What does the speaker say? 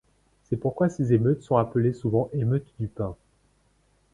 C'est pourquoi ces émeutes sont appelées souvent émeutes du pain.